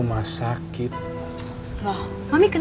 bapaknya gak mau nyanyi